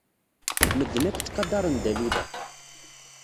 Medden akk ttqadaren Dalila.